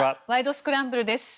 スクランブル」です。